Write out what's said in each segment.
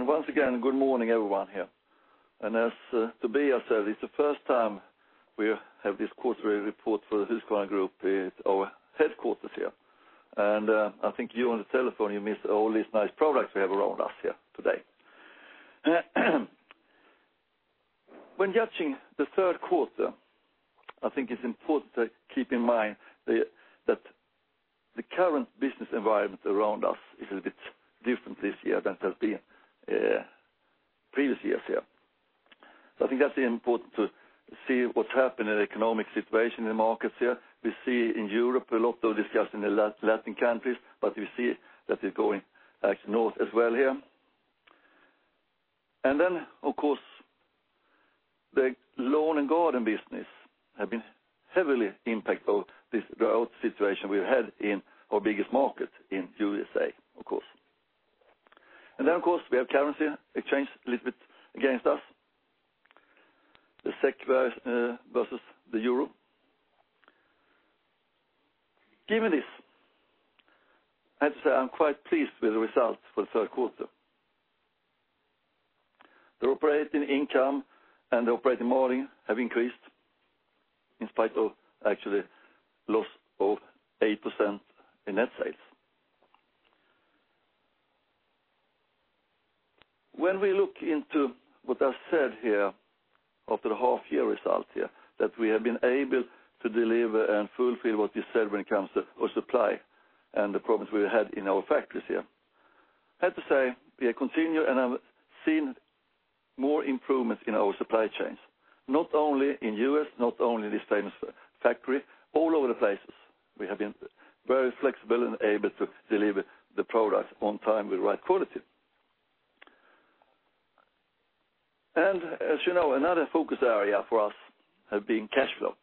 Once again, good morning everyone here. As Tobias said, it's the first time we have this quarterly report for the Husqvarna Group at our headquarters here. I think you on the telephone, you miss all these nice products we have around us here today. When judging the third quarter, I think it's important to keep in mind that the current business environment around us is a bit different this year than it has been previous years here. I think that's important to see what's happened in the economic situation in the markets here. We see in Europe, a lot of discussion in the Latin countries, but we see that it's going north as well here. Of course, the Lawn & Garden business have been heavily impacted by this drought situation we've had in our biggest market in USA, of course. Of course, we have currency exchange a little bit against us, the SEK versus the EUR. Given this, I have to say I'm quite pleased with the result for the third quarter. The operating income and the operating margin have increased in spite of actually loss of 8% in net sales. We look into what I said here after the half-year results here, that we have been able to deliver and fulfill what we said when it comes to our supply and the problems we had in our factories here. I have to say we are continuing and have seen more improvements in our supply chains, not only in the U.S., not only in this famous factory, all over the places. We have been very flexible and able to deliver the products on time with right quality. As you know, another focus area for us have been cash flow.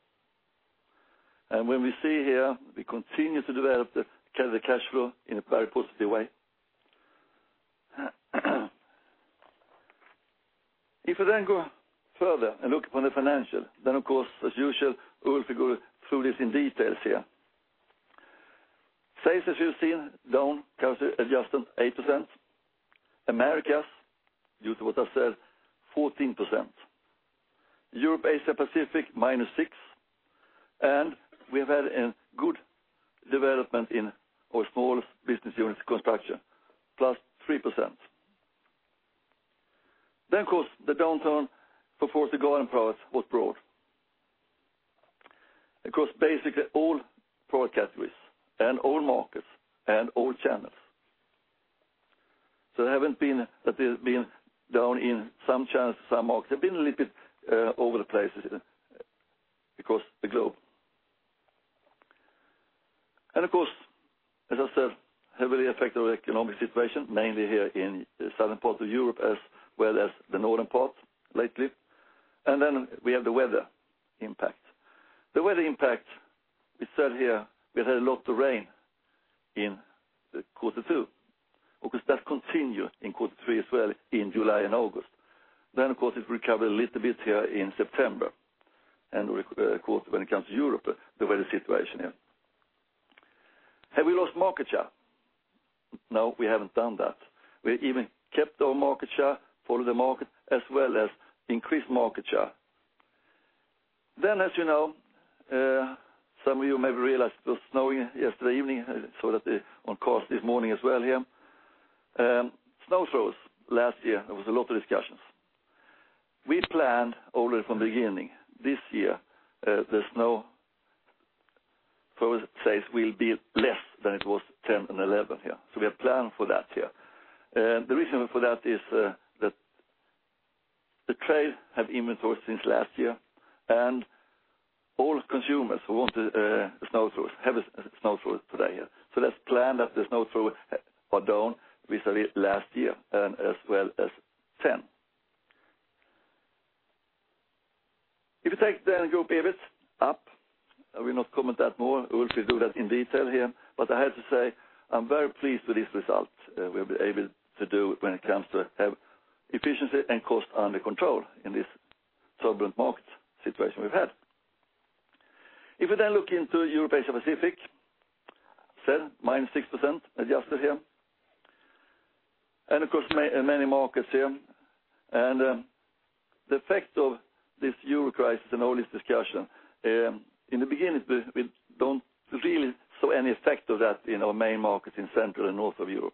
When we see here, we continue to develop the cash flow in a very positive way. We go further and look upon the financial, of course, as usual, Ulf will go through this in details here. Sales, as you've seen, down currency adjusted 8%. Americas, due to what I said, 14%. Europe, Asia, Pacific, minus 6%. We have had a good development in our small business unit Construction, plus 3%. Of course, the downturn for the garden products was broad. Across basically all product categories and all markets and all channels. There hasn't been that it has been down in some channels, some markets. They've been a little bit all over the place across the globe. Of course, as I said, heavily affected our economic situation, mainly here in the southern part of Europe, as well as the northern part lately. We have the weather impact. The weather impact we said here, we had a lot of rain in quarter two. Of course, that continued in quarter three as well in July and August. Of course, it recovered a little bit here in September. Of course, when it comes to Europe, the weather situation here. Have we lost market share? No, we haven't done that. We even kept our market share, followed the market, as well as increased market share. As you know, some of you may have realized it was snowing yesterday evening, saw that on course this morning as well here. Snow throwers last year, there was a lot of discussions. We planned already from the beginning this year, the snow thrower sales will be less than it was 2010 and 2011 here. We have planned for that here. The reason for that is that the trade have inventories since last year, and all consumers who want a snow thrower have a snow thrower today here. Let's plan that the snow thrower are down vis-à-vis last year and as well as 2010. If you take group EBIT up, I will not comment that more. Ulf will do that in detail here. I have to say, I'm very pleased with this result we have been able to do when it comes to have efficiency and cost under control in this turbulent market situation we've had. If we look into Europe, Asia, Pacific, I said -6% adjusted here. Of course, in many markets here. The effect of this euro crisis and all this discussion, in the beginning, we don't really saw any effect of that in our main markets in central and north of Europe.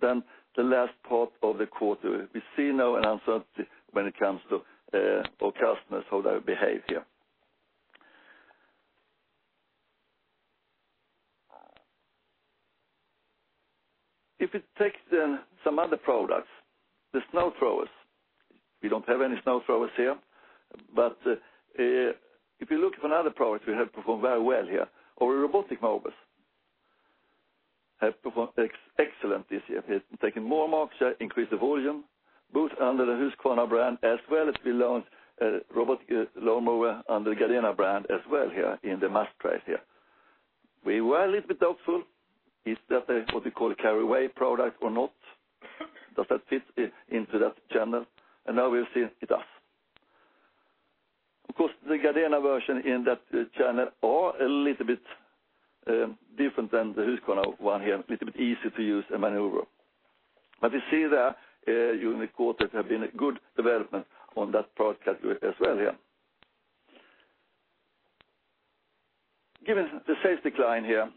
The last part of the quarter, we see now an uncertainty when it comes to our customers, how they behave here. If we take some other products, the snow throwers, we don't have any snow throwers here. If you look for another product, we have performed very well here. Our robotic mowers have performed excellent this year. We have taken more market share, increased the volume, both under the Husqvarna brand as well as we launched a robotic lawnmower under the Gardena brand as well here in the mass price here. We were a little bit doubtful. Is that a, what we call, carry-away product or not? Does that fit into that channel? Now we've seen it does. Of course, the Gardena version in that channel are a little bit different than the Husqvarna one here, a little bit easy to use and maneuver. You see there during the quarter there have been a good development on that product category as well here. Given the sales decline here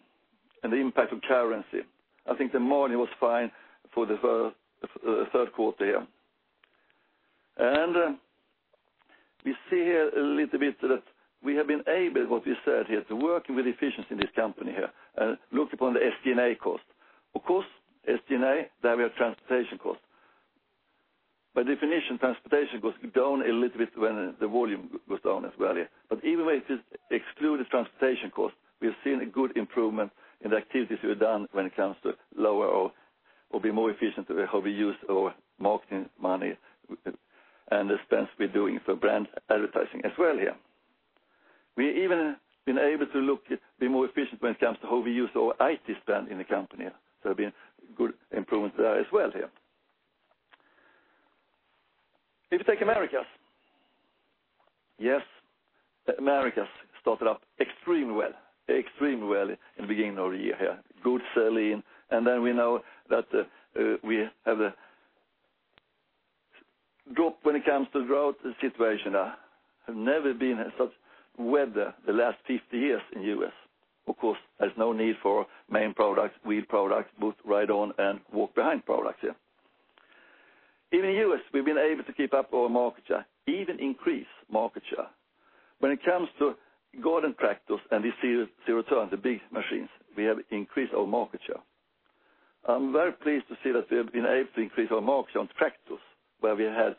and the impact of currency, I think the margin was fine for the third quarter here. We see here a little bit that we have been able, what we said here, to working with efficiency in this company here, and look upon the SG&A cost. Of course, SG&A, there we have transportation cost. By definition, transportation goes down a little bit when the volume goes down as well. Either way, if you exclude the transportation cost, we have seen a good improvement in the activities we have done when it comes to lower or be more efficient with how we use our marketing money and the spends we're doing for brand advertising as well here. We even been able to look, be more efficient when it comes to how we use our IT spend in the company. There have been good improvements there as well here. If you take Americas. Yes, Americas started up extremely well in the beginning of the year here. Good selling, we know that we have a drop when it comes to drought situation there. Have never been such weather the last 50 years in the U.S. Of course, there's no need for main products, wheeled products, both ride-on and walk-behind products here. Even in U.S., we've been able to keep up our market share, even increase market share. When it comes to garden tractors and the zero-turn, the big machines, we have increased our market share. I'm very pleased to see that we have been able to increase our market share on tractors, where we had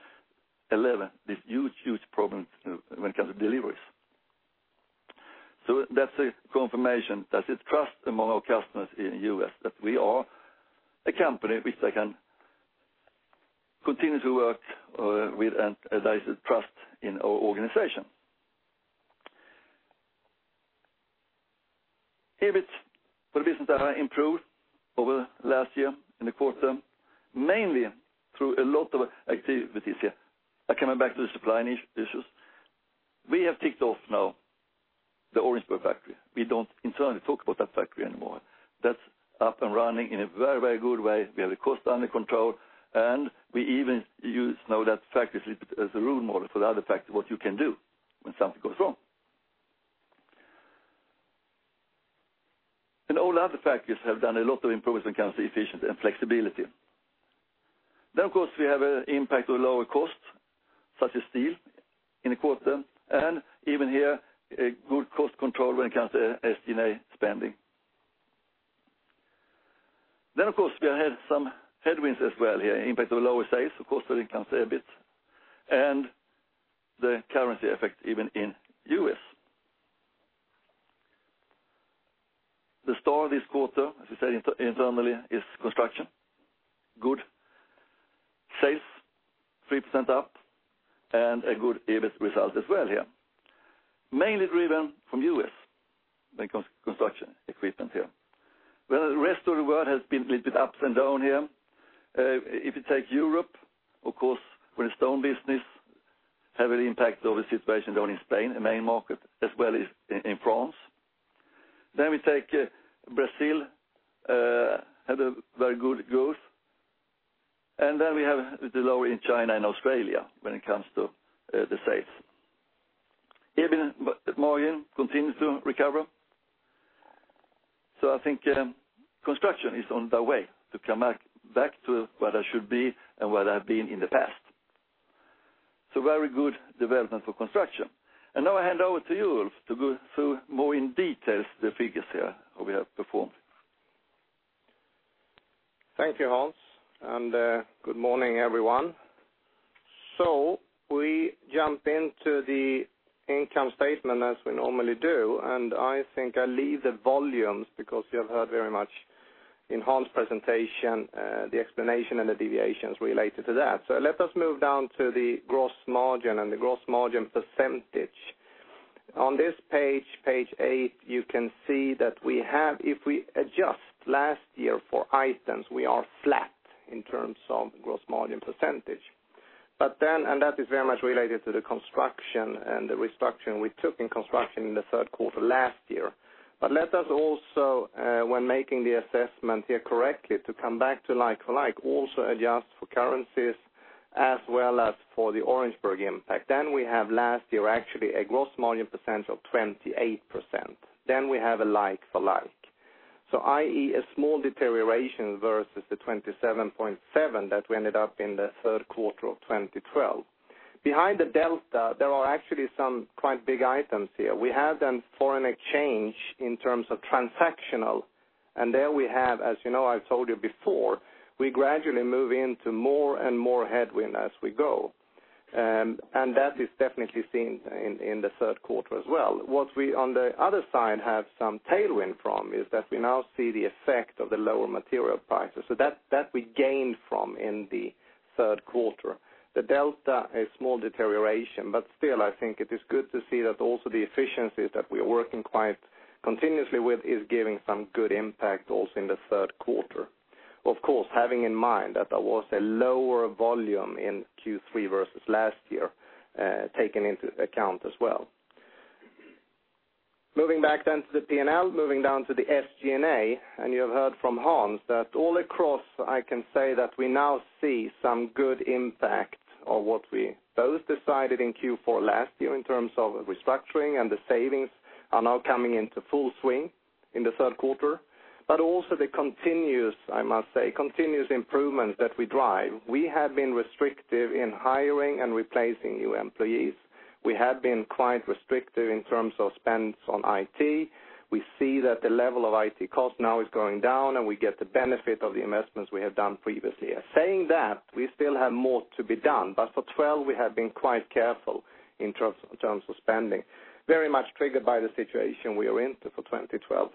11, this huge problem when it comes to deliveries. That's a confirmation that it's trust among our customers in U.S., that we are a company which they can continue to work with, and as I said, trust in our organization. EBIT for the business there improved over last year in the quarter, mainly through a lot of activities here. Coming back to the supply issues. We have ticked off now the Orangeburg factory. We don't internally talk about that factory anymore. That's up and running in a very good way. We have the cost under control. We even use now that factory as a role model for the other factory, what you can do when something goes wrong. All other factories have done a lot of improvements when it comes to efficiency and flexibility. Of course, we have an impact of lower costs, such as steel in the quarter, and even here, a good cost control when it comes to SG&A spending. Of course, we have had some headwinds as well here, impact of lower sales, of course, when it comes to EBIT and the currency effect even in U.S. The star this quarter, as I said internally, is Construction. Good sales, 3% up, and a good EBIT result as well here. Mainly driven from U.S. when it comes to construction equipment here. While the rest of the world has been a little bit ups and down here. If you take Europe, of course, with the stone business, heavily impacted over the situation down in Spain, a main market, as well as in France. We take Brazil, had a very good growth. We have the low in China and Australia when it comes to the sales. EBIT margin continues to recover. I think Construction is on the way to come back to where they should be and where they have been in the past. Very good development for Construction. Now I hand over to you, Ulf, to go through more in details the figures here, how we have performed. Thank you, Hans, good morning, everyone. We jump into the income statement as we normally do, I think I leave the volumes because you have heard very much in Hans presentation, the explanation and the deviations related to that. Let us move down to the gross margin and the gross margin percentage. On this page eight, you can see that we have, if we adjust last year for items, we are flat in terms of gross margin percentage. That is very much related to the Construction and the restructuring we took in Construction in the third quarter last year. Let us also, when making the assessment here correctly, to come back to like-for-like, also adjust for currencies as well as for the Orangeburg impact. We have last year actually a gross margin percentage of 28%. We have a like-for-like. I.e., a small deterioration versus 27.7% that we ended up in Q3 2012. Behind the delta, there are actually some quite big items here. We have FX in terms of transactional, there we have, as you know, I've told you before, we gradually move into more and more headwind as we go. That is definitely seen in Q3 as well. What we on the other side have some tailwind from is that we now see the effect of the lower material prices. That we gained from in Q3. The delta is small deterioration, still I think it is good to see that also the efficiencies that we are working quite continuously with is giving some good impact also in Q3. Of course, having in mind that there was a lower volume in Q3 versus last year, taken into account as well. Moving back to the P&L, moving down to the SG&A, you have heard from Hans that all across, I can say that we now see some good impact of what we both decided in Q4 last year in terms of restructuring, the savings are now coming into full swing in Q3, also the continuous, I must say, continuous improvements that we drive. We have been restrictive in hiring and replacing new employees. We have been quite restrictive in terms of spends on IT. We see that the level of IT cost now is going down, we get the benefit of the investments we have done previously. Saying that, we still have more to be done, for 2012, we have been quite careful in terms of spending, very much triggered by the situation we are into for 2012.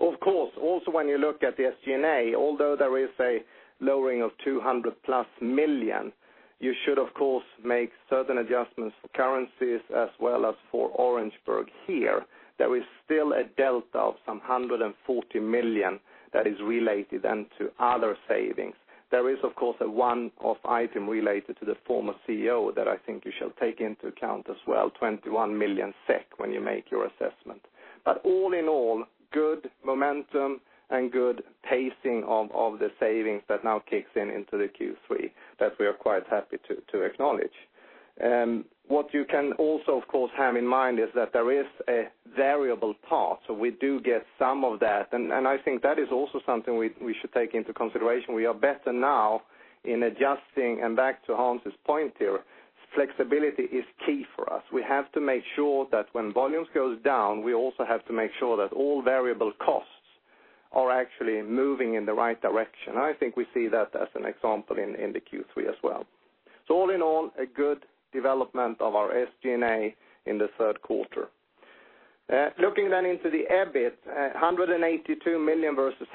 Of course, also when you look at the SG&A, although there is a lowering of 200-plus million, you should, of course, make certain adjustments for currencies as well as for the Orangeburg here. There is still a delta of some 140 million that is related to other savings. There is, of course, a one-off item related to the former CEO that I think you shall take into account as well, 21 million SEK when you make your assessment. All in all, good momentum and good pacing of the savings that now kicks in into Q3 that we are quite happy to acknowledge. What you can also, of course, have in mind is that there is a variable part, we do get some of that. I think that is also something we should take into consideration. We are better now in adjusting, back to Hans' point here, flexibility is key for us. We have to make sure that when volumes goes down, we also have to make sure that all variable costs are actually moving in the right direction. I think we see that as an example in Q3 as well. All in all, a good development of our SG&A in Q3. Looking into the EBIT, 182 million versus 113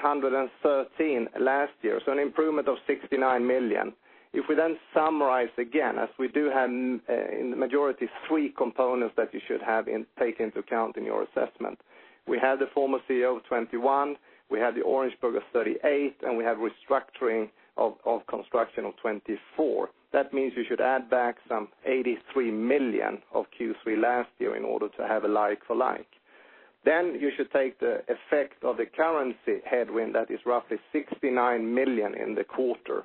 million last year, an improvement of 69 million. If we summarize again, as we do have in the majority three components that you should take into account in your assessment. We have the former CEO of 21 million, we have the Orangeburg of 38, and we have restructuring of Construction of 24. That means you should add back some 83 million of Q3 last year in order to have a like-for-like. You should take the effect of the currency headwind that is roughly 69 million in the quarter.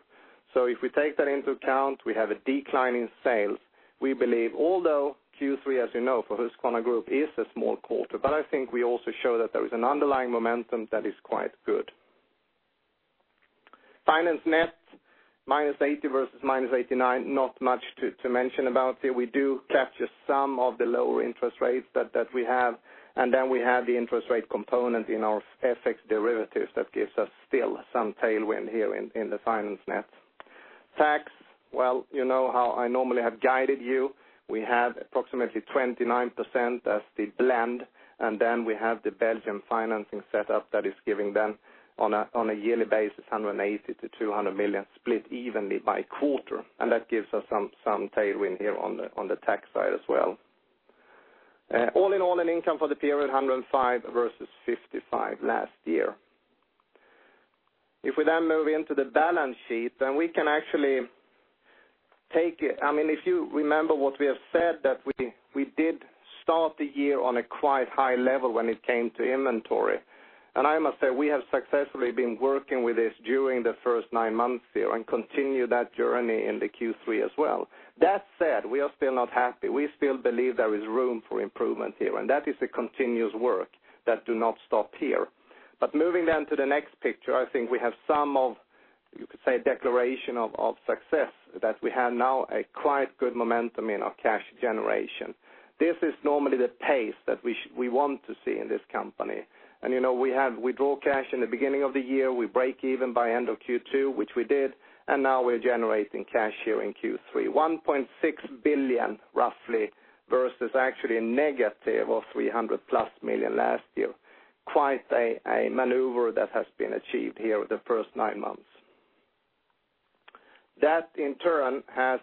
If we take that into account, we have a decline in sales. We believe, although Q3, as you know, for Husqvarna Group is a small quarter, but I think we also show that there is an underlying momentum that is quite good. Finance net, minus 80 versus minus 89, not much to mention about here. We do capture some of the lower interest rates that we have, and then we have the interest rate component in our FX derivatives that gives us still some tailwind here in the finance net. Tax, well, you know how I normally have guided you. We have approximately 29% as the blend, and then we have the Belgium financing set up that is giving them, on a yearly basis, 180 million to 200 million split evenly by quarter, and that gives us some tailwind here on the tax side as well. All in all, in income for the period, 105 versus 55 last year. If we move into the balance sheet, we can actually take it. If you remember what we have said, that we did start the year on a quite high level when it came to inventory. I must say, we have successfully been working with this during the first nine months here and continue that journey into Q3 as well. That said, we are still not happy. We still believe there is room for improvement here, that is a continuous work that do not stop here. Moving down to the next picture, I think we have some of, you could say, declaration of success, that we have now a quite good momentum in our cash generation. This is normally the pace that we want to see in this company. We draw cash in the beginning of the year, we break even by end of Q2, which we did, and now we're generating cash here in Q3. 1.6 billion, roughly, versus actually a negative of 300-plus million last year. Quite a maneuver that has been achieved here over the first nine months. That, in turn, has,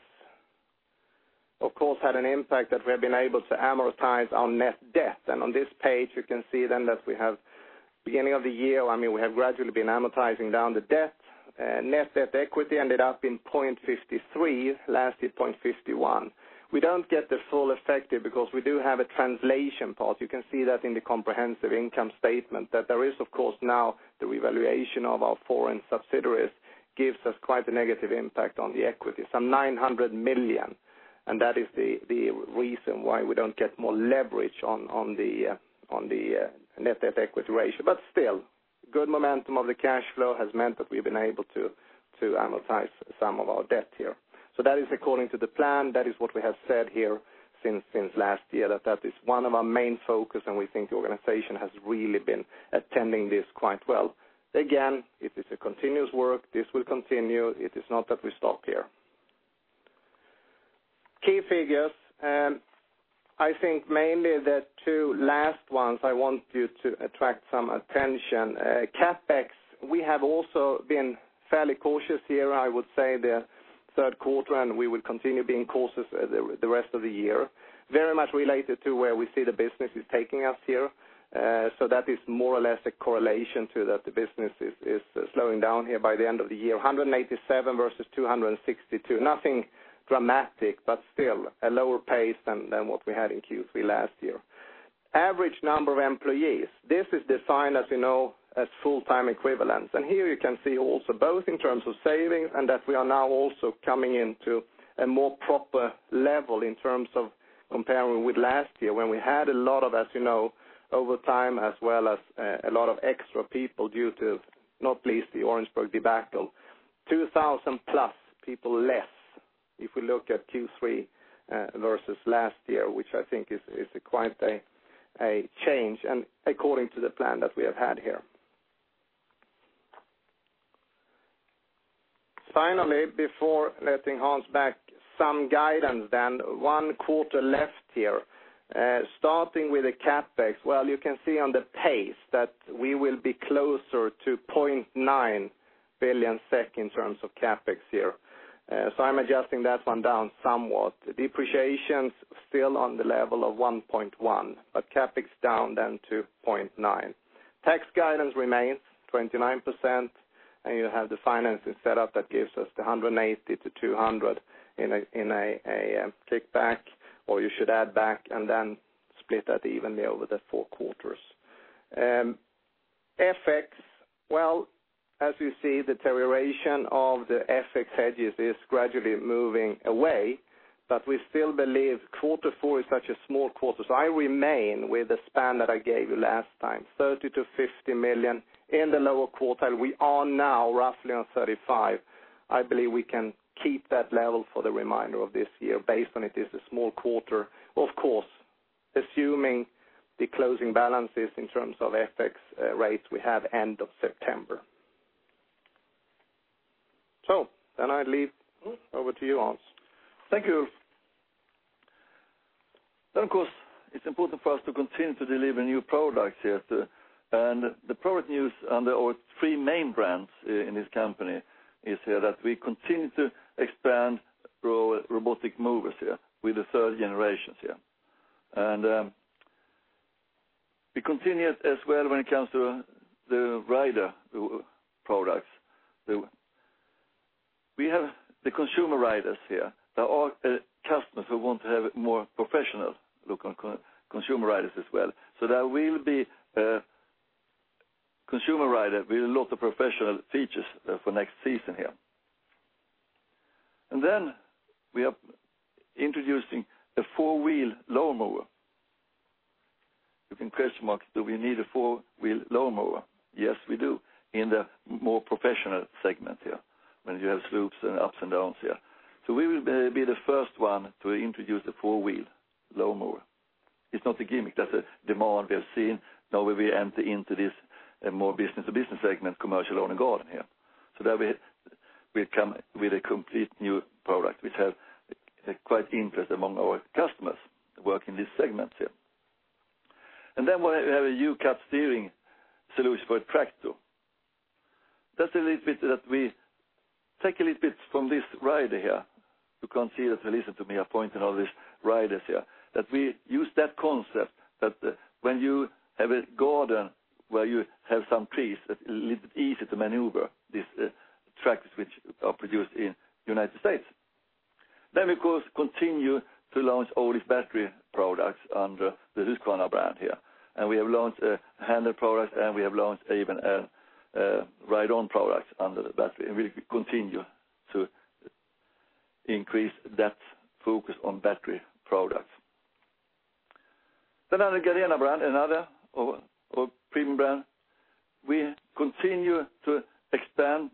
of course, had an impact that we have been able to amortize our net debt. On this page, you can see that we have, beginning of the year, we have gradually been amortizing down the debt. Net debt equity ended up being 0.53, last year 0.51. We don't get the full effect here because we do have a translation part. You can see that in the comprehensive income statement, that there is, of course, now the revaluation of our foreign subsidiaries gives us quite a negative impact on the equity, some 900 million. That is the reason why we don't get more leverage on the net debt equity ratio. Still, good momentum of the cash flow has meant that we've been able to amortize some of our debt here. That is according to the plan. That is what we have said here since last year, that that is one of our main focus, and we think the organization has really been attending this quite well. Again, it is a continuous work. This will continue. It is not that we stop here. Key figures. I think mainly the two last ones I want you to attract some attention. CapEx, we have also been fairly cautious here, I would say the third quarter, and we will continue being cautious the rest of the year. Very much related to where we see the business is taking us here. So that is more or less a correlation to that the business is slowing down here by the end of the year, 187 million versus 262 million. Nothing dramatic, but still a lower pace than what we had in Q3 last year. Average number of employees. This is defined, as you know, as full-time equivalents. Here you can see also both in terms of savings and that we are now also coming into a more proper level in terms of comparing with last year when we had a lot of, as you know, overtime as well as a lot of extra people due to, not least, the Orangeburg debacle. 2,000+ people less if we look at Q3 versus last year, which I think is quite a change and according to the plan that we have had here. Finally, before letting Hans back, some guidance then. One quarter left. Starting with the CapEx. You can see on the pace that we will be closer to 0.9 billion SEK in terms of CapEx here. So I am adjusting that one down somewhat. Depreciations still on the level of 1.1 billion, but CapEx down then to 0.9 billion. Tax guidance remains 29%, and you have the financing set up that gives us the 180 million to 200 million in a kickback, or you should add back and then split that evenly over the four quarters. FX, as you see, deterioration of the FX hedges is gradually moving away, but we still believe quarter four is such a small quarter. So I remain with the span that I gave you last time, 30 million to 50 million in the lower quarter. We are now roughly on 35 million. I believe we can keep that level for the remainder of this year based on it is a small quarter, of course, assuming the closing balances in terms of FX rates we have end of September. So then I leave over to you, Hans. Thank you. Then, of course, it is important for us to continue to deliver new products here. The product news under our three main brands in this company is that we continue to expand robotic mowers here with the third generations here. We continue as well when it comes to the rider products. We have the consumer riders here. There are customers who want to have a more professional look on consumer riders as well. So there will be a consumer rider with a lot of professional features for next season here. Then we are introducing a four-wheel lawnmower. You can question mark, do we need a four-wheel lawnmower? Yes, we do, in the more professional segment here, when you have slopes and ups and downs here. So we will be the first one to introduce the four-wheel lawnmower. It is not a gimmick. That's a demand we have seen now where we enter into this more business-to-business segment, commercial and garden here. There we come with a complete new product, which has quite interest among our customers who work in these segments here. We have a U-Cut steering solution for tractors. That's a little bit that we take a little bit from this rider here. You can see that, listen to me, I pointed out these riders here, that we use that concept that when you have a garden where you have some trees, it's a little bit easy to maneuver these tractors which are produced in the U.S. We, of course, continue to launch all these battery products under the Husqvarna brand here. We have launched a handheld product, we have launched even a ride-on product under the battery, we continue to increase that focus on battery products. Under the Gardena brand, another of our premium brand, we continue to expand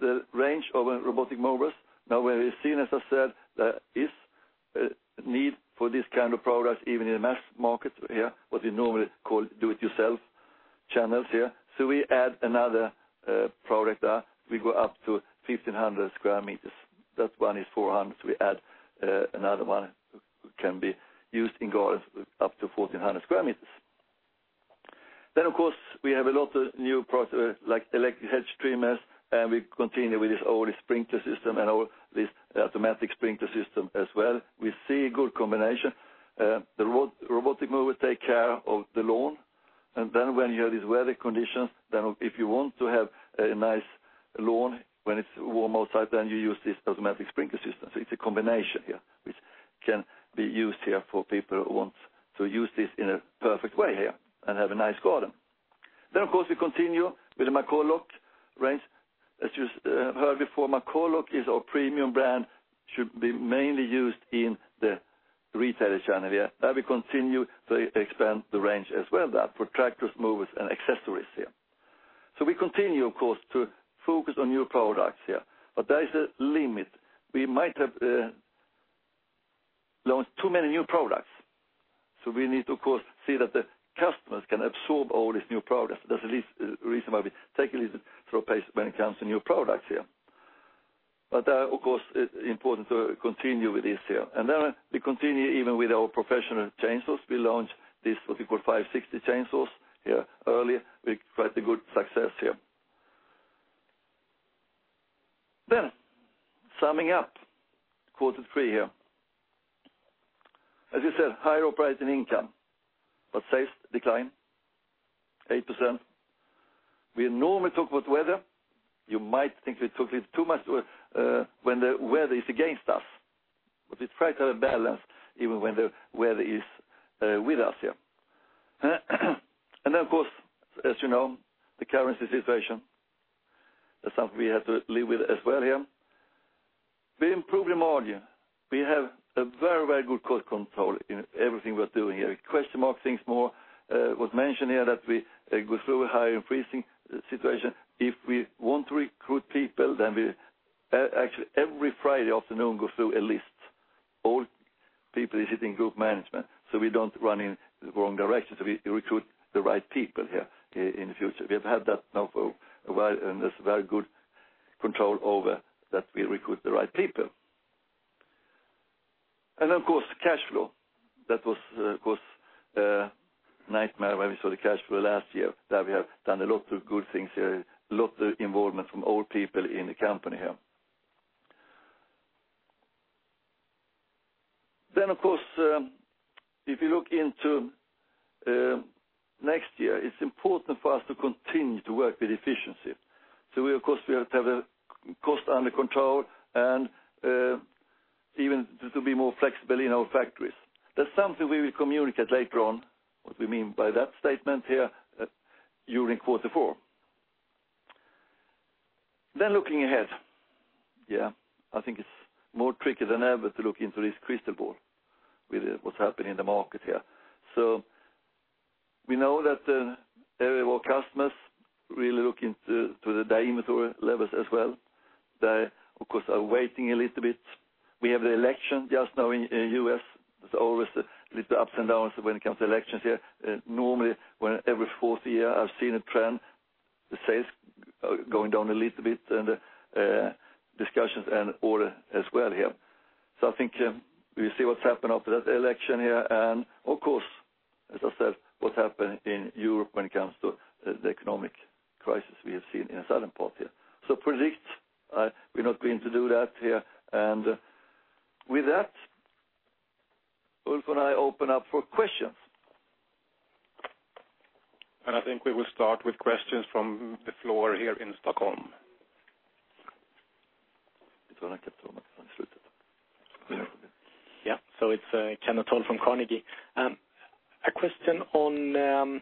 the range of robotic mowers. We have seen, as I said, there is a need for this kind of product even in the mass market here, what we normally call DIY channels here. We add another product there. We go up to 1,500 sq m. That one is 400 sq m. We add another one that can be used in gardens up to 1,400 sq m. We, of course, have a lot of new products like electric hedge trimmers, and we continue with this older sprinkler system and this automatic sprinkler system as well. We see a good combination. The robotic mower take care of the lawn, when you have these weather conditions, if you want to have a nice lawn when it's warm outside, you use this automatic sprinkler system. It's a combination here, which can be used here for people who want to use this in a perfect way here and have a nice garden. We, of course, continue with the McCulloch range. As you have heard before, McCulloch is our premium brand. It should be mainly used in the retail channel here. There we continue to expand the range as well there for tractors, mowers, and accessories here. We continue, of course, to focus on new products here, but there is a limit. We might have launched too many new products. We need to, of course, see that the customers can absorb all these new products. That's the reason why we take a little slow pace when it comes to new products here. Of course, it's important to continue with this here. We continue even with our professional chainsaws. We launched this 560 chainsaws here earlier, quite a good success here. Summing up Q3 here. As you said, higher operating income, but sales decline 8%. We normally talk about weather. You might think we talk too much when the weather is against us, but it's quite a balance even when the weather is with us here. Of course, as you know, the currency situation, that's something we have to live with as well here. We improved margin. We have a very good cost control in everything we're doing here. Question mark things more, was mentioned here that we go through a higher increasing situation. Actually, every Friday afternoon go through a list, all people sitting in group management, so we don't run in the wrong direction. We recruit the right people here in the future. We have had that now for a while, and there's very good control over that we recruit the right people. Of course, cash flow. That was, of course, a nightmare when we saw the cash flow last year, that we have done a lot of good things here, a lot of involvement from all people in the company here. Of course, if you look into next year, it's important for us to continue to work with efficiency. We, of course, have to have the cost under control and even to be more flexible in our factories. That's something we will communicate later on, what we mean by that statement here during quarter four. Looking ahead. I think it's more tricky than ever to look into this crystal ball with what's happening in the market here. We know that the area of our customers really look into the diametrical levels as well. They, of course, are waiting a little bit. We have the election just now in U.S. There's always a little ups and downs when it comes to elections here. Normally, when every fourth year, I've seen a trend, the sales are going down a little bit and discussions and order as well here. I think we'll see what's happened after that election here. Of course, as I said, what happened in Europe when it comes to the economic crisis we have seen in the southern part here. Predict, we're not going to do that here. With that, Ulf and I open up for questions. I think we will start with questions from the floor here in Stockholm. Yeah. It's Kenneth Olving from Carnegie. A question on.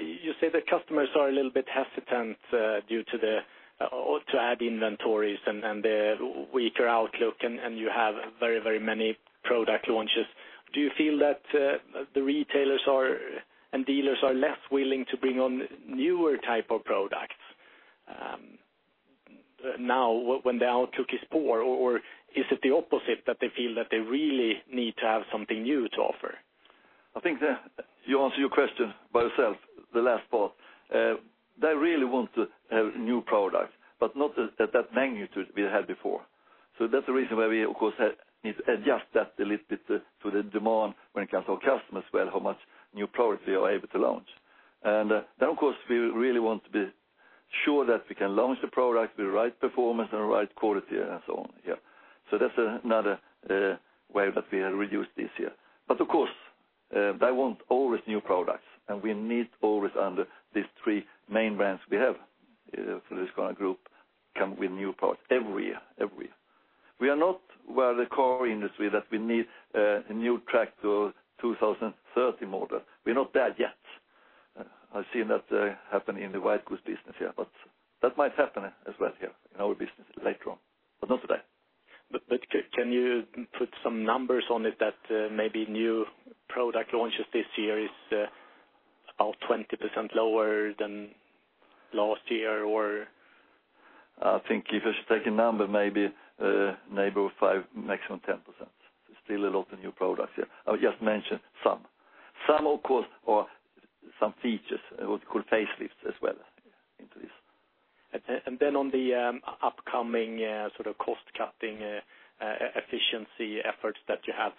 You say the customers are a little bit hesitant to add inventories and the weaker outlook, and you have very many product launches. Do you feel that the retailers and dealers are less willing to bring on newer type of products now when the outlook is poor? Or is it the opposite that they feel that they really need to have something new to offer? I think that you answered your question by yourself, the last part. They really want to have new products, but not at that magnitude we had before. That's the reason why we, of course, need to adjust that a little bit to the demand when it comes to our customers, well, how much new products we are able to launch. Of course, we really want to be sure that we can launch the product with the right performance and the right quality and so on. That's another way that we have reduced this year. Of course, they want always new products, and we need always under these three main brands we have for the Husqvarna Group come with new products every year. We are not where the car industry that we need a new tractor 2030 model. We're not there yet. I've seen that happen in the white goods business here, but that might happen as well here in our business later on, but not today. Can you put some numbers on it that maybe new product launches this year is about 20% lower than last year or? I think if I should take a number, maybe 5%, maximum 10%. Still a lot of new products here. I'll just mention some. Some, of course, or some features we could face lift as well into this. On the upcoming sort of cost-cutting efficiency efforts that you have.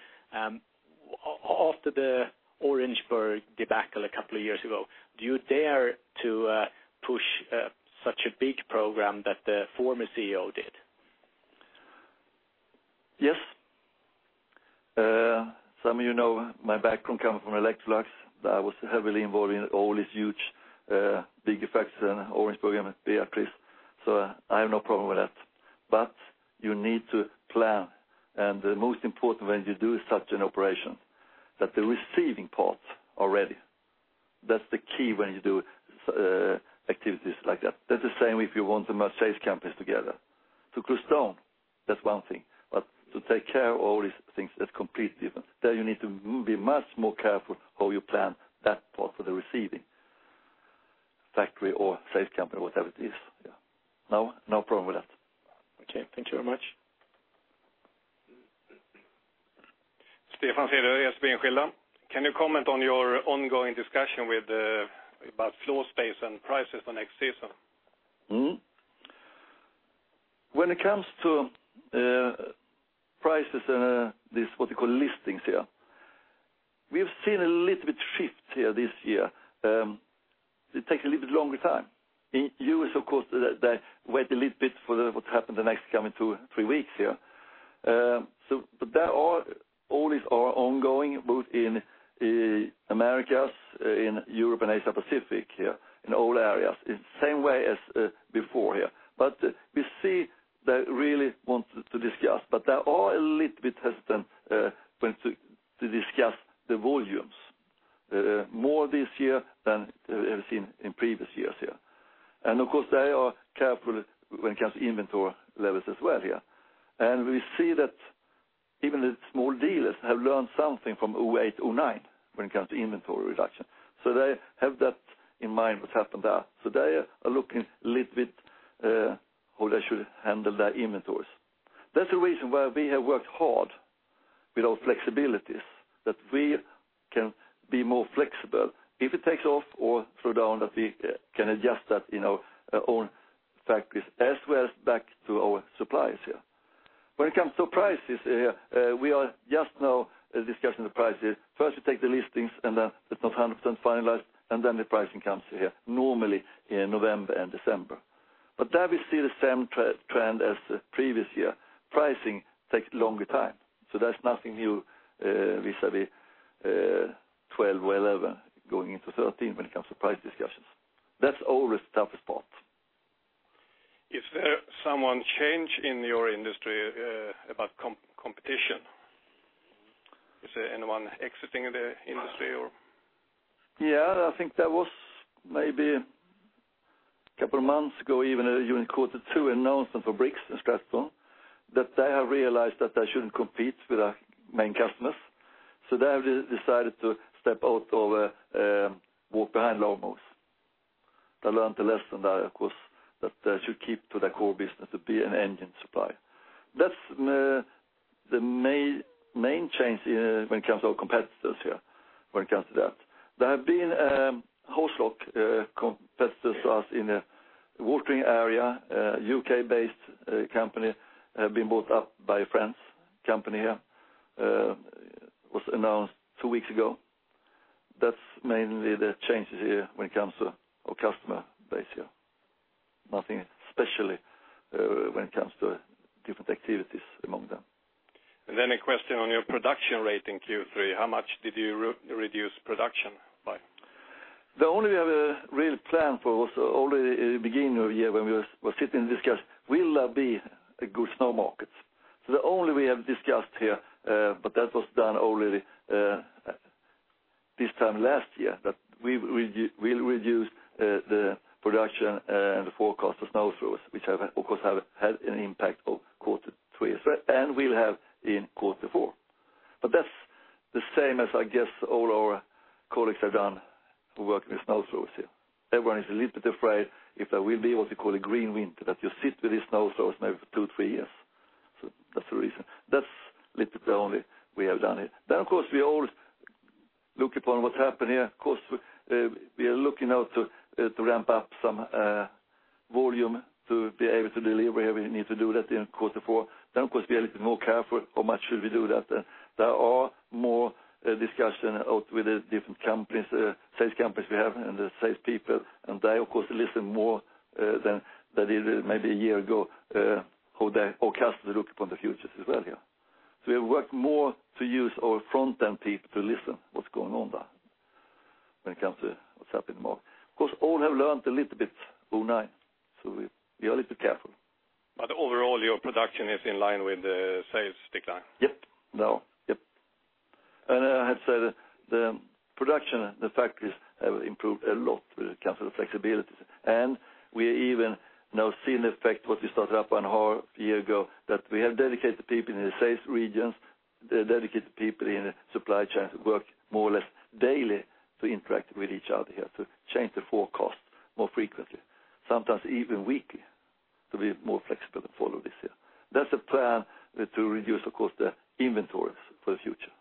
After the Orangeburg debacle a couple of years ago, do you dare to push such a big program that the former CEO did? Yes. Some of you know my background comes from Electrolux. I was heavily involved in all these huge, big effects in Orangeburg at Beatrice. I have no problem with that. You need to plan. The most important when you do such an operation, that the receiving parts are ready. That's the key when you do activities like that. That's the same if you want to merge sales companies together. To close down, that's one thing. To take care of all these things, that's completely different. There you need to be much more careful how you plan that part for the receiving factory or sales company, whatever it is. No problem with that. Okay. Thank you very much. Stefan Wård, SEB Enskilda. Can you comment on your ongoing discussion about floor space and prices for next season? When it comes to prices and what you call listings here, we have seen a little bit shift here this year. It takes a little bit longer time. In U.S., of course, they wait a little bit for what happen the next coming two, three weeks here. There are always our ongoing, both in Americas, in Europe, and Asia Pacific here, in all areas, in the same way as before here. We see they really want to discuss, but they are a little bit hesitant when to discuss the volumes, more this year than ever seen in previous years here. Of course, they are careful when it comes to inventory levels as well here. We see that even the small dealers have learned something from 2008, 2009 when it comes to inventory reduction. They have that in mind what's happened there. They are looking a little bit how they should handle their inventories. That's the reason why we have worked hard with our flexibilities, that we can be more flexible. If it takes off or slow down, that we can adjust that in our own factories as well as back to our suppliers here. When it comes to prices here, we are just now discussing the prices. First, we take the listings, and then it's not 100% finalized, and then the pricing comes here, normally in November and December. There we see the same trend as the previous year. Pricing takes longer time. That's nothing new vis-à-vis 2012 or 2011 going into 2013 when it comes to price discussions. That's always the toughest part. Is there some change in your industry about competition? Is there anyone exiting the industry or? Yeah, I think there was maybe a couple of months ago, even during quarter two announcement for Briggs & Stratton, that they have realized that they shouldn't compete with our main customers. They have decided to step out of walk-behind lawn mowers. They learned a lesson there, of course, that they should keep to their core business to be an engine supplier. That's the main change when it comes to our competitors here, when it comes to that. There have been a Hozelock competitor to us in the watering area, a U.K.-based company, have been bought up by a French company here. Was announced two weeks ago. That's mainly the changes here when it comes to our customer base here. Nothing especially when it comes to different activities among them. Then a question on your production rate in Q3. How much did you reduce production by? The only we have a real plan for was already at the beginning of the year when we were sitting and discussed, will there be a good snow market? The only we have discussed here, but that was done already this time last year, that we'll reduce the production and the forecast of snow throwers, which of course, have had an impact on quarter three, and will have in quarter four. That's the same as, I guess, all our colleagues have done who work with snow throwers here. Everyone is a little bit afraid if there will be what you call a green winter, that you sit with these snow throwers maybe for two, three years. That's the reason. That's a little bit the only we have done it. Of course, we always look upon what happened here. Of course, we are looking now to ramp up some volume to be able to deliver where we need to do that in quarter four. Of course, we are a little bit more careful how much should we do that. There are more discussion out with the different companies, sales companies we have and the salespeople, and they, of course, listen more than they did maybe a year ago, how customers look upon the future as well here. We have worked more to use our front-end people to listen what's going on there when it comes to what's happening in the market. Of course, all have learned a little bit 2009, we are a little bit careful. Overall, your production is in line with the sales decline? Yep. Now, yep. I have said the production in the factories have improved a lot when it comes to the flexibilities. We even now see an effect what we started up one and a half year ago, that we have dedicated people in the sales regions, dedicated people in the supply chains work more or less daily to interact with each other here, to change the forecast more frequently, sometimes even weekly, to be more flexible to follow this year. That's a plan to reduce, of course, the inventories for the future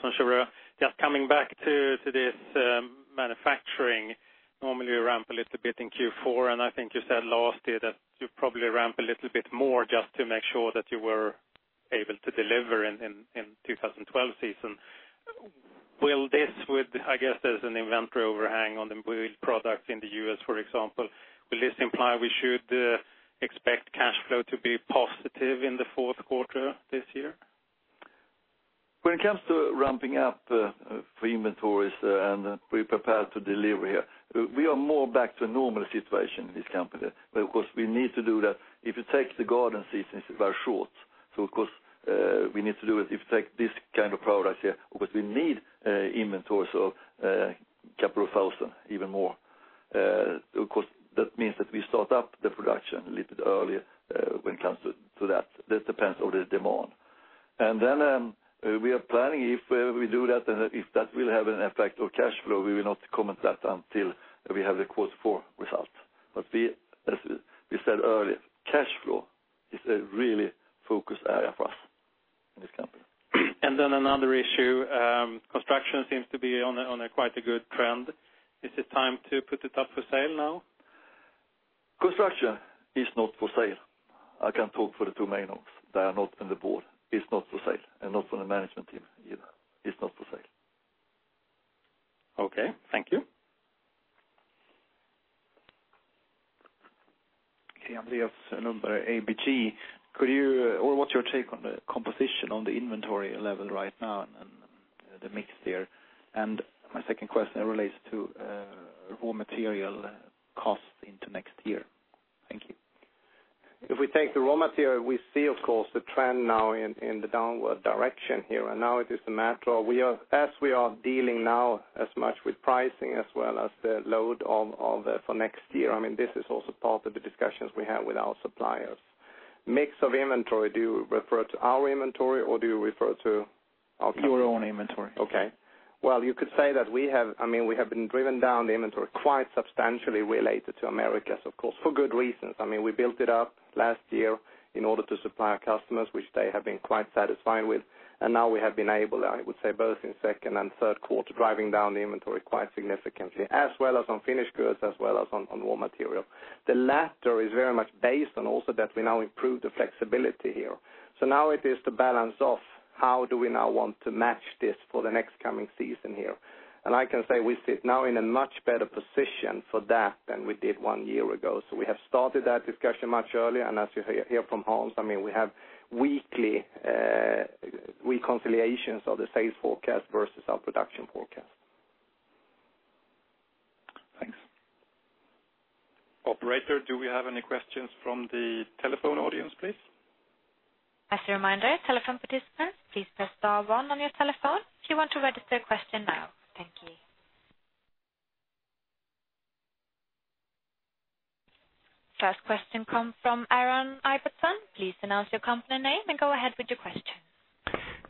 as well. Thank you. Hi. Johan Eliason from. Just coming back to this manufacturing. Normally, you ramp a little bit in Q4, I think you said last year that you probably ramp a little bit more just to make sure that you were able to deliver in 2012 season. I guess there's an inventory overhang on the wheeled products in the U.S., for example. Will this imply we should expect cash flow to be positive in the fourth quarter this year? When it comes to ramping up for inventories and be prepared to deliver here, we are more back to a normal situation in this company. Of course, we need to do that. If you take the garden seasons, they are short. Of course, we need to do it. If you take this kind of products here, of course, we need inventories of a couple of thousand, even more. Of course, that means that we start up the production a little bit earlier when it comes to that. That depends on the demand. We are planning if we do that and if that will have an effect on cash flow, we will not comment that until we have the quarter four results. As we said earlier, cash flow is a really focus area for us in this company. Another issue, Construction seems to be on a quite a good trend. Is it time to put it up for sale now? Construction is not for sale. I can talk for the two main hubs that are not on the board. It's not for sale, and not on the management team either. It's not for sale. Okay. Thank you. ABG. What's your take on the composition on the inventory level right now and the mix there? My second question relates to raw material costs into next year. Thank you. If we take the raw material, we see, of course, the trend now in the downward direction here, and now it is the matter as we are dealing now as much with pricing as well as the load for next year. This is also part of the discussions we have with our suppliers. Mix of inventory, do you refer to our inventory or do you refer to our customers? Your own inventory. Okay. Well, you could say that we have been driven down the inventory quite substantially related to Americas, of course, for good reasons. We built it up last year in order to supply our customers, which they have been quite satisfied with. Now we have been able, I would say, both in second and third quarter, driving down the inventory quite significantly, as well as on finished goods, as well as on raw material. The latter is very much based on also that we now improve the flexibility here. Now it is to balance off how do we now want to match this for the next coming season here? I can say we sit now in a much better position for that than we did one year ago. We have started that discussion much earlier, and as you hear from Hans, we have weekly reconciliations of the sales forecast versus our production forecast. Thanks. Operator, do we have any questions from the telephone audience, please? As a reminder, telephone participants, please press star one on your telephone if you want to register a question now. Thank you. First question come from Aaron Ibberson. Please announce your company name and go ahead with your question.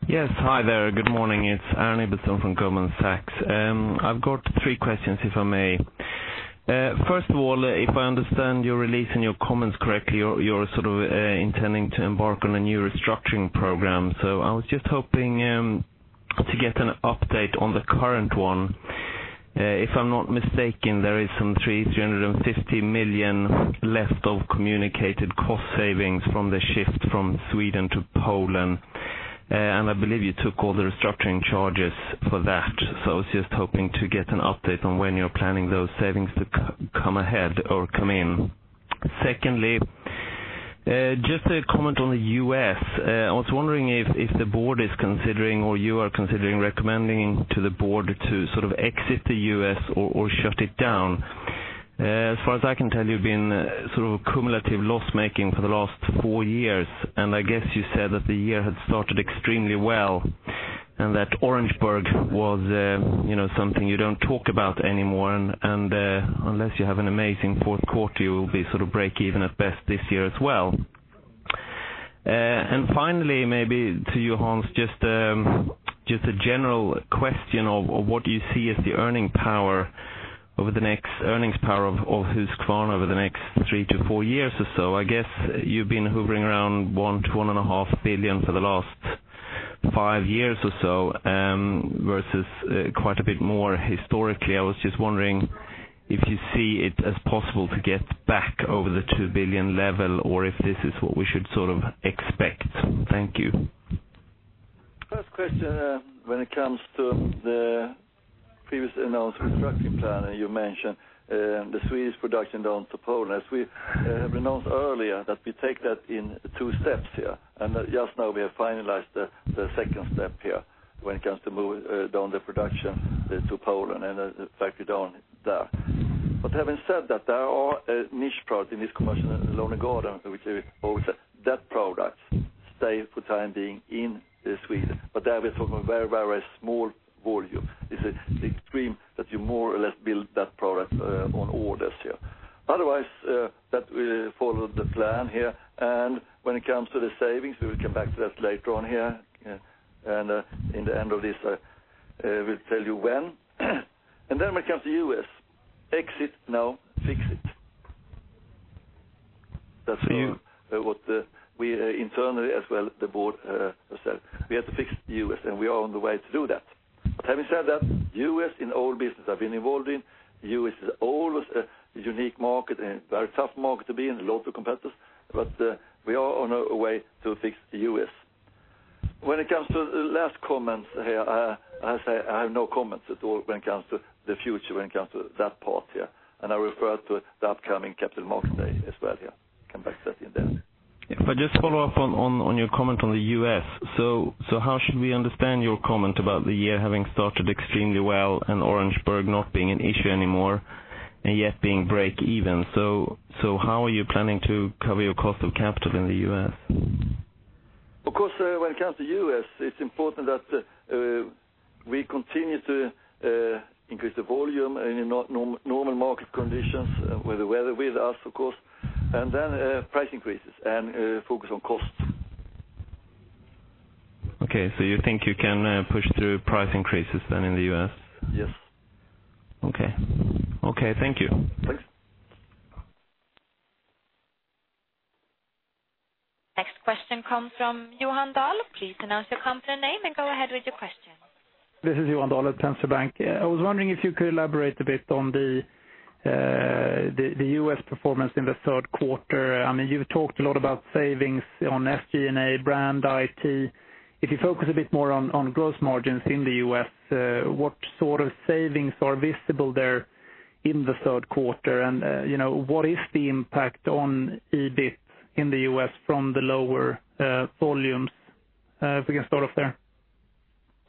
Yes. Hi there. Good morning. It's Aaron Ibberson from Goldman Sachs. I've got three questions, if I may. First of all, if I understand your release and your comments correctly, you're intending to embark on a new restructuring program. I was just hoping to get an update on the current one. If I'm not mistaken, there is some 350 million left of communicated cost savings from the shift from Sweden to Poland. I believe you took all the restructuring charges for that. I was just hoping to get an update on when you're planning those savings to come ahead or come in. Secondly, just a comment on the U.S. I was wondering if the board is considering or you are considering recommending to the board to exit the U.S. or shut it down. As far as I can tell, you've been cumulative loss-making for the last four years. Unless you have an amazing fourth quarter, you will be breakeven at best this year as well. Finally, maybe to you, Hans, just a general question of what you see as the earnings power of Husqvarna over the next three to four years or so. I guess you've been hovering around 1 billion-1.5 billion for the last five years or so, versus quite a bit more historically. I was just wondering if you see it as possible to get back over the 2 billion level, or if this is what we should expect. Thank you. First question, when it comes to the previously announced restructuring plan. You mentioned the Swedish production down to Poland, as we have announced earlier, that we take that in 2 steps here. Just now we have finalized the second step here when it comes to move down the production to Poland and the factory down there. Having said that, there are niche products in this commercial, Lawn & Garden, which we always say that product stay for the time being in Sweden. There we're talking very small volume. This is the extreme that you more or less build that product on orders here. Otherwise, that will follow the plan here. When it comes to the savings, we will come back to that later on here. In the end of this, I will tell you when. When it comes to U.S., exit, no, fix it. That's what we internally, as well as the board said. We have to fix the U.S. We are on the way to do that. Having said that, U.S. in all business I've been involved in, U.S. is always a unique market and very tough market to be in, lots of competitors. We are on our way to fix the U.S. When it comes to last comments here, I say I have no comments at all when it comes to the future, when it comes to that part here. I refer to the upcoming Capital Markets Day as well here. Come back to that in the end. If I just follow up on your comment on the U.S. How should we understand your comment about the year having started extremely well and Orangeburg not being an issue anymore? Yet being breakeven? How are you planning to cover your cost of capital in the U.S.? Of course, when it comes to U.S., it's important that We continue to increase the volume in normal market conditions with the weather with us, of course, and then price increases and focus on costs. Okay. You think you can push through price increases then in the U.S.? Yes. Okay. Thank you. Thanks. Next question comes from Johan Dahl. Please announce your company name and go ahead with your question. This is Johan Dahl at Erik Penser Bank. I was wondering if you could elaborate a bit on the U.S. performance in the third quarter. You talked a lot about savings on SG&A, brand, IT. If you focus a bit more on gross margins in the U.S., what sort of savings are visible there in the third quarter? What is the impact on EBIT in the U.S. from the lower volumes? If we can start off there.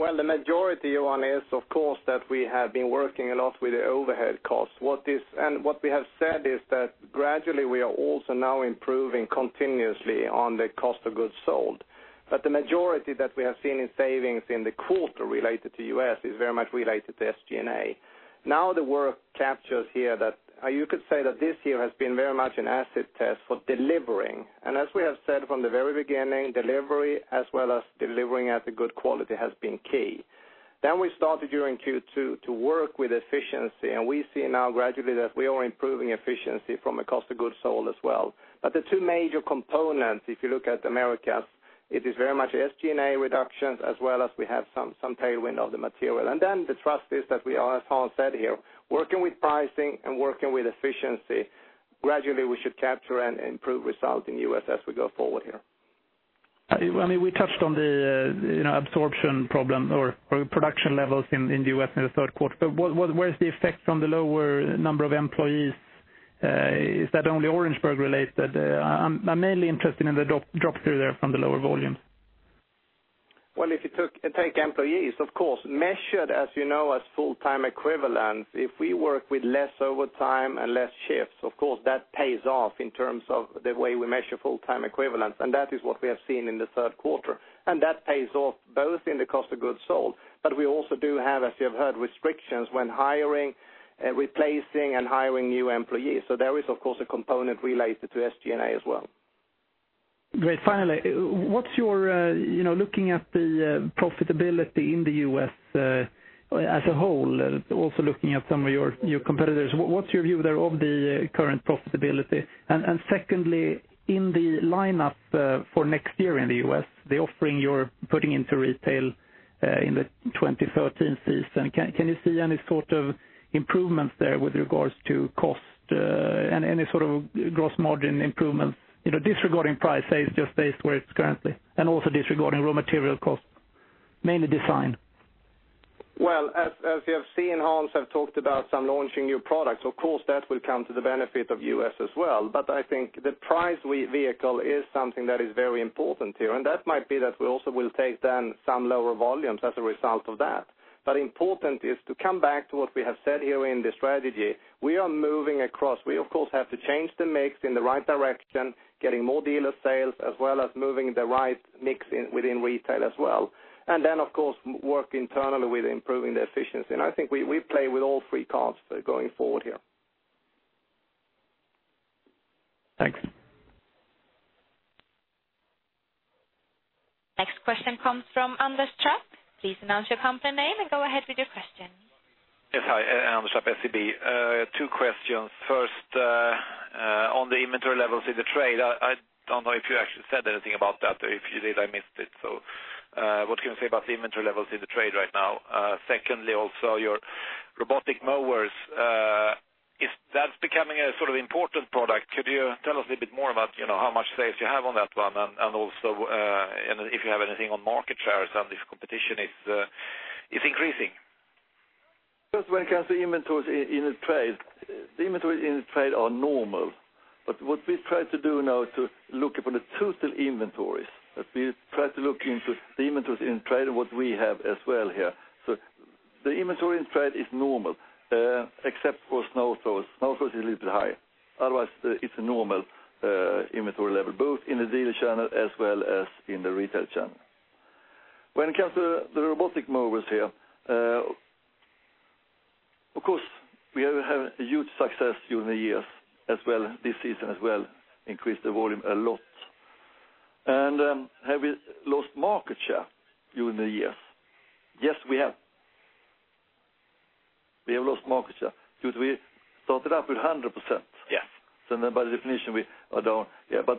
Well, the majority, Johan, is of course that we have been working a lot with the overhead costs. What we have said is that gradually we are also now improving continuously on the cost of goods sold. The majority that we have seen in savings in the quarter related to U.S. is very much related to SG&A. Now the work captures here that you could say that this year has been very much an acid test for delivering. As we have said from the very beginning, delivery as well as delivering at a good quality has been key. We started during Q2 to work with efficiency, and we see now gradually that we are improving efficiency from a cost of goods sold as well. The two major components, if you look at Americas, it is very much SG&A reductions as well as we have some tailwind of the material. The trust is that we are, as Hans said here, working with pricing and working with efficiency. Gradually we should capture and improve results in U.S. as we go forward here. We touched on the absorption problem or production levels in the U.S. in the third quarter. Where is the effect on the lower number of employees? Is that only Orangeburg related? I'm mainly interested in the drop through there from the lower volumes. Well, if you take employees, of course, measured, as you know, as full-time equivalent, if we work with less overtime and less shifts, of course that pays off in terms of the way we measure full-time equivalents. That is what we have seen in the third quarter. That pays off both in the cost of goods sold, we also do have, as you have heard, restrictions when replacing and hiring new employees. There is, of course, a component related to SG&A as well. Great. Finally, looking at the profitability in the U.S. as a whole, also looking at some of your competitors, what's your view there of the current profitability? Secondly, in the lineup for next year in the U.S., the offering you're putting into retail in the 2013 season, can you see any sort of improvements there with regards to cost and any sort of gross margin improvements? Disregarding price, say it's just based where it's currently, also disregarding raw material costs, mainly design. Well, as you have seen, Hans have talked about some launching new products. Of course, that will come to the benefit of U.S. as well. I think the price vehicle is something that is very important here, that might be that we also will take then some lower volumes as a result of that. Important is to come back to what we have said here in the strategy. We are moving across. We, of course, have to change the mix in the right direction, getting more dealer sales, as well as moving the right mix within retail as well. Then, of course, work internally with improving the efficiency. I think we play with all three cards going forward here. Thanks. Next question comes from Anders Trapp. Please announce your company name and go ahead with your question. Yes. Hi, Anders Trapp, SEB. Two questions. First, on the inventory levels in the trade, I don't know if you actually said anything about that, or if you did, I missed it. What can you say about the inventory levels in the trade right now? Secondly, also your robotic mowers, if that's becoming a sort of important product, could you tell us a little bit more about how much sales you have on that one? Also, if you have anything on market share, some of this competition is increasing. First, when it comes to inventories in the trade, the inventories in the trade are normal. What we try to do now to look upon the total inventories, that we try to look into the inventories in trade and what we have as well here. The inventory in trade is normal, except for snow throwers. Snow throwers is a little bit high. Otherwise, it's a normal inventory level, both in the dealer channel as well as in the retail channel. When it comes to the robotic mowers here, of course, we have had a huge success during the years, as well this season as well, increased the volume a lot. Have we lost market share during the years? Yes, we have. We have lost market share because we started up with 100%. Yes. By definition, we are down.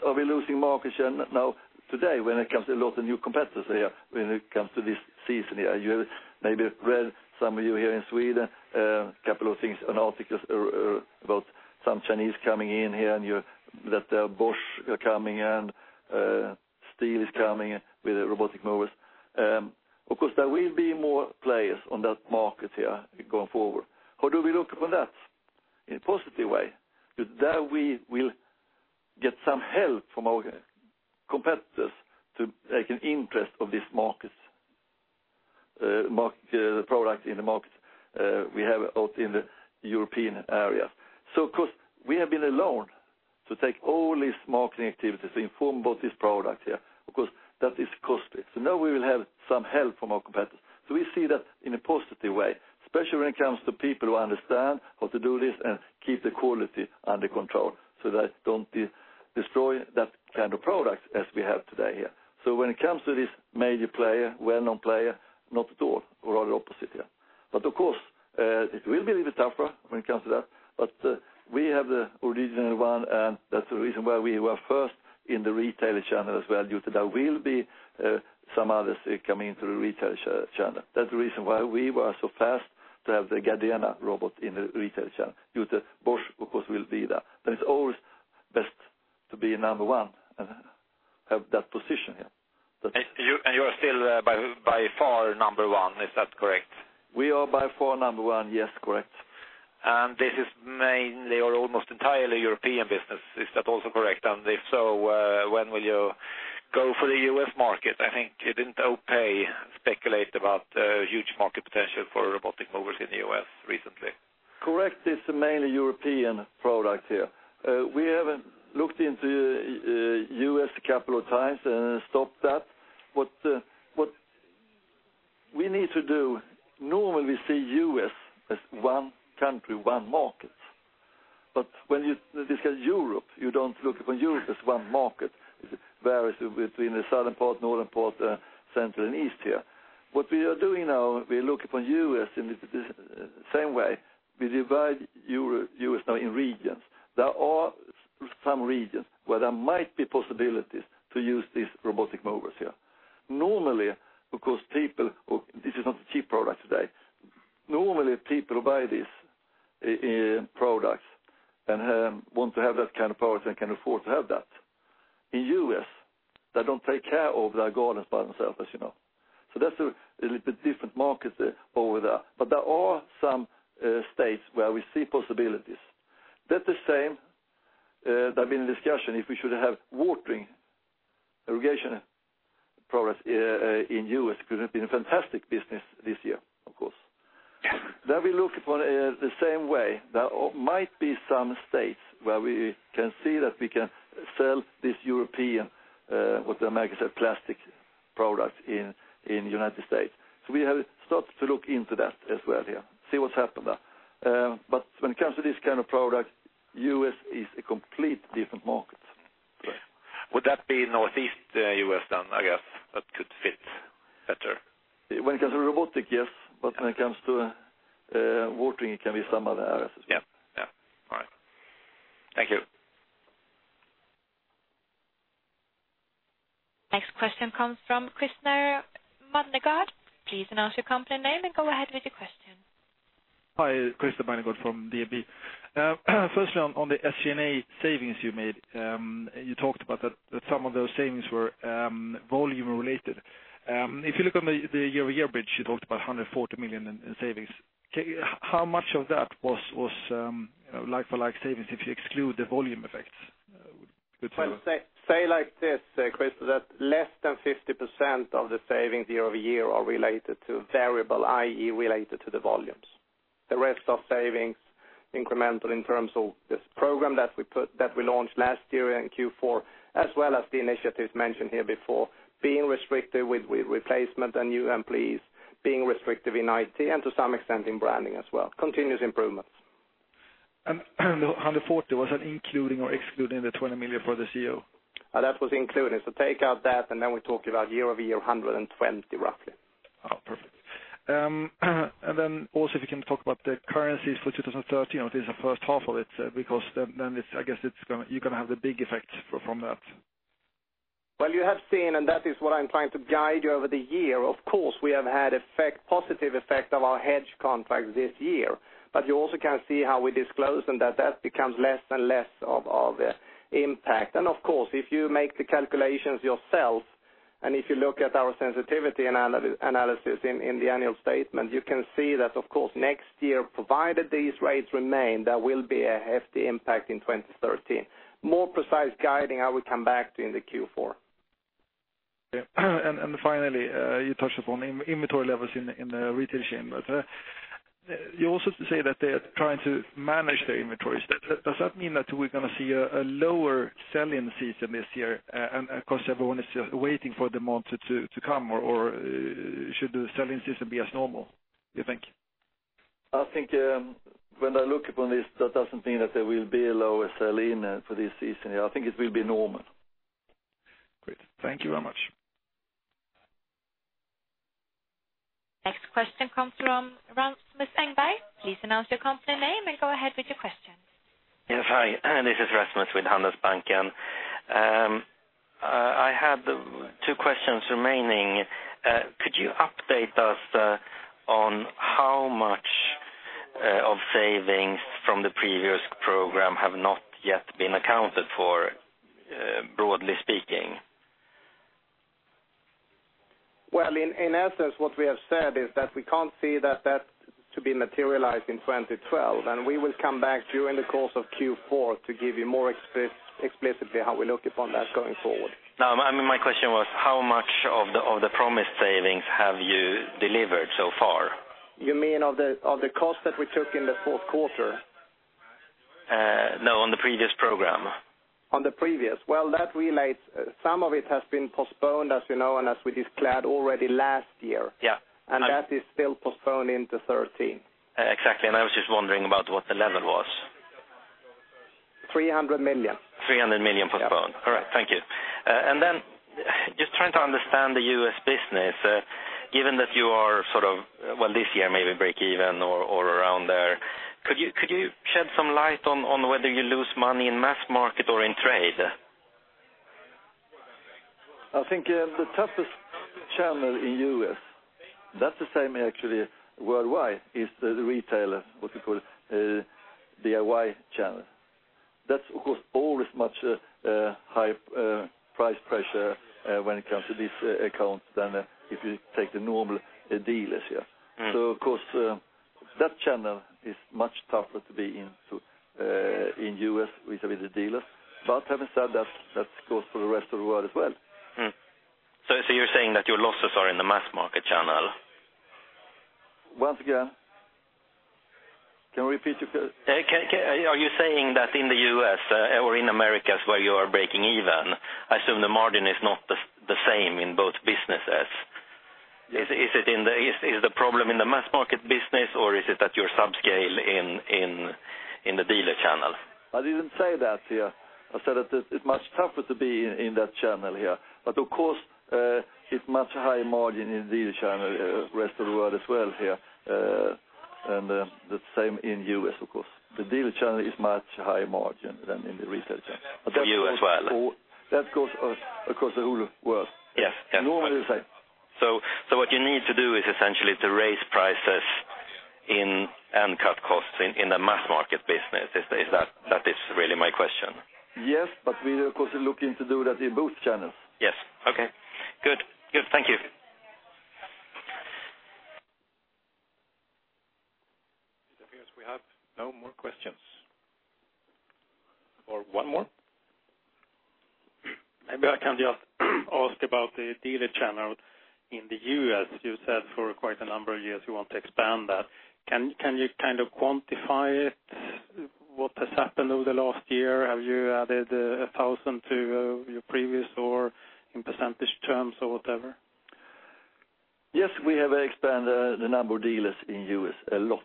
Are we losing market share now today when it comes to a lot of new competitors here, when it comes to this season here? You maybe read, some of you here in Sweden, a couple of things, an article about some Chinese coming in here and that Bosch are coming in, Stihl is coming with robotic mowers. Of course, there will be more players on that market here going forward. How do we look upon that? In a positive way. Because there we will get some help from our competitors to take an interest of this product in the market we have out in the European areas. Of course, we have been alone To take all these marketing activities to inform about this product here, of course, that is costly. Now we will have some help from our competitors. We see that in a positive way, especially when it comes to people who understand how to do this and keep the quality under control, so that don't destroy that kind of product as we have today here. When it comes to this major player, well-known player, not at all, rather opposite here. Of course, it will be a little bit tougher when it comes to that. We have the original one, and that's the reason why we were first in the retail channel as well, due to there will be some others coming into the retail channel. That's the reason why we were so fast to have the Gardena robot in the retail channel, due to Bosch, of course, will be there. It's always best to be number one and have that position here. You are still by far number one, is that correct? We are by far number one, yes, correct. this is mainly, or almost entirely, European business. Is that also correct? If so, when will you go for the U.S. market? I think you didn't outright speculate about huge market potential for robotic mowers in the U.S. recently. Correct. It's mainly European product here. We have looked into U.S. a couple of times and stopped that. What we need to do, normally, we see U.S. as one country, one market. When you discuss Europe, you don't look upon Europe as one market. It varies between the southern part, northern part, central, and east here. What we are doing now, we look upon U.S. in the same way. We divide U.S. now in regions. There are some regions where there might be possibilities to use these robotic mowers here. This is not a cheap product today. Normally, people who buy these products and want to have that kind of product can afford to have that. In U.S., they don't take care of their gardens by themselves, as you know. That's a little bit different market over there. There are some states where we see possibilities. That the same, there's been a discussion if we should have watering, irrigation products in U.S., could have been a fantastic business this year, of course. We look upon the same way. There might be some states where we can see that we can sell this European, what the Americans have, plastic products in United States. We have started to look into that as well here, see what's happened there. When it comes to this kind of product, U.S. is a complete different market. Would that be Northeast U.S., then, I guess that could fit better? When it comes to robotic, yes. When it comes to watering, it can be some other areas as well. Yeah. All right. Thank you. Next question comes from Krister Manhem. Please announce your company name and go ahead with your question. Hi, Krister Manhem from DNB. Firstly, on the SG&A savings you made, you talked about that some of those savings were volume related. If you look on the year-over-year bridge, you talked about 140 million in savings. How much of that was like-for-like savings, if you exclude the volume effects? Say like this, Krister, that less than 50% of the savings year-over-year are related to variable, i.e., related to the volumes. The rest are savings incremental in terms of this program that we launched last year in Q4, as well as the initiatives mentioned here before, being restrictive with replacement and new employees, being restrictive in IT, and to some extent in branding as well. Continuous improvements. The 140, was that including or excluding the 20 million for the CEO? That was included. Take out that, we talk about year-over-year 120, roughly. Perfect. Also, if you can talk about the currencies for 2013, or at least the first half of it, because then I guess you're going to have the big effect from that. Well, you have seen, and that is what I am trying to guide you over the year. Of course, we have had positive effect of our hedge contract this year. You also can see how we disclose, and that becomes less and less of impact. Of course, if you make the calculations yourself, and if you look at our sensitivity analysis in the annual statement, you can see that, of course, next year, provided these rates remain, there will be a hefty impact in 2013. More precise guiding, I will come back to in the Q4. Okay. Finally, you touched upon inventory levels in the retail chain, but you also say that they are trying to manage their inventories. Does that mean that we are going to see a lower sell-in season this year, and of course, everyone is just waiting for the month to come, or should the sell-in season be as normal, do you think? I think when I look upon this, that doesn't mean that there will be a lower sell-in for this season. I think it will be normal. Great. Thank you very much. Next question comes from Rasmus Engberg. Please announce your company name and go ahead with your question. Yes, hi. This is Rasmus with Handelsbanken. I have two questions remaining. Could you update us on how much of savings from the previous program have not yet been accounted for, broadly speaking? Well, in essence, what we have said is that we can't see that to be materialized in 2012. We will come back during the course of Q4 to give you more explicitly how we look upon that going forward. My question was how much of the promised savings have you delivered so far? You mean of the cost that we took in the fourth quarter? No, on the previous program. On the previous. Well, that relates, some of it has been postponed, as you know, and as we declared already last year. Yeah. That is still postponed into 2013. I was just wondering about what the level was. 300 million. 300 million postponed. Yeah. All right, thank you. Then just trying to understand the U.S. business, given that you are, well this year maybe break even or around there, could you shed some light on whether you lose money in mass market or in trade? I think the toughest channel in U.S., that's the same actually worldwide, is the retailer, what you call DIY channel. That's, of course, always much high price pressure when it comes to these accounts than if you take the normal dealers here. Of course, that channel is much tougher to be into in U.S. with the dealers. Having said that goes for the rest of the world as well. You're saying that your losses are in the mass market channel? Once again. Can you repeat? Are you saying that in the U.S. or in Americas where you are breaking even, I assume the margin is not the same in both businesses? Is the problem in the mass market business, or is it that you're subscale in the dealer channel? I didn't say that here. I said that it's much tougher to be in that channel here. Of course, it's much higher margin in dealer channel rest of the world as well here, and the same in U.S. of course. The dealer channel is much higher margin than in the retail channel. For you as well. That goes across the whole world. Yes. Normally the same. What you need to do is essentially to raise prices and cut costs in the mass market business. That is really my question. Yes, we are, of course, looking to do that in both channels. Yes. Okay. Good. Thank you. It appears we have no more questions. One more? Maybe I can just ask about the dealer channel in the U.S. You said for quite a number of years you want to expand that. Can you quantify it? What has happened over the last year? Have you added 1,000 to your previous, or in percentage terms or whatever? Yes, we have expanded the number of dealers in U.S. a lot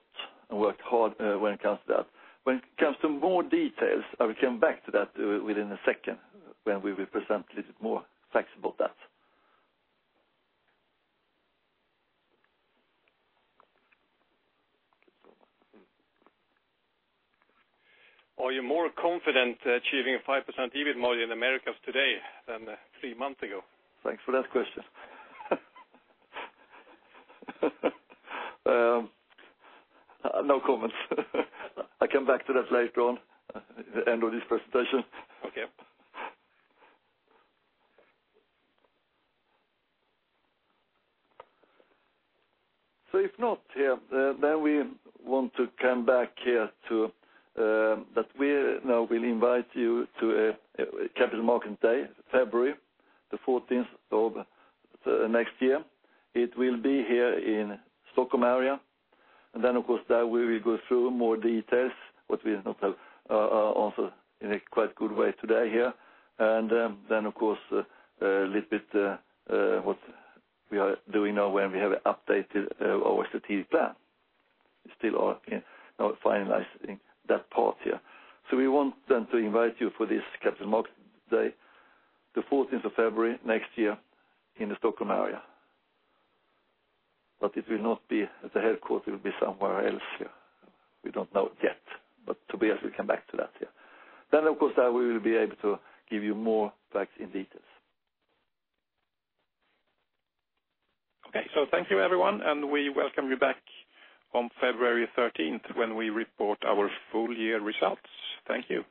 and worked hard when it comes to that. When it comes to more details, I will come back to that within a second, when we will present a little bit more facts about that. Are you more confident achieving a 5% EBIT margin in Americas today than three months ago? Thanks for that question. No comments. I'll come back to that later on at the end of this presentation. Okay. If not, we want to come back here to, that we now will invite you to a Capital Markets Day, February the 14th of next year. It will be here in Stockholm area. Of course, there we will go through more details, what we not have answered in a quite good way today here. Of course, a little bit what we are doing now when we have updated our strategic plan. We still are not finalizing that part here. We want then to invite you for this Capital Markets Day, the 14th of February next year in the Stockholm area. It will not be at the headquarter, it will be somewhere else. We don't know it yet, Tobias will come back to that. Of course, there we will be able to give you more facts and details. Okay, thank you everyone, we welcome you back on February 13th when we report our full year results. Thank you.